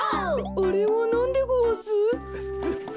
あれはなんでごわす？